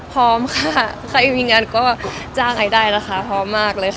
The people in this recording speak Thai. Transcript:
พร้อมค่ะใครมีงานก็จ้างไอได้นะคะพร้อมมากเลยค่ะ